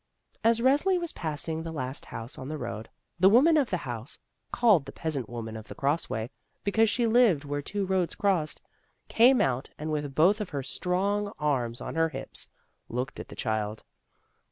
As Resli was passing the last house on the road, the woman of the house, called the Peas ant Woman of the Cross way, because she lived where two roads crossed, came out and, with both of her strong arms on her hips, looked at the child.